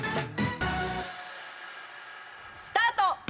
スタート！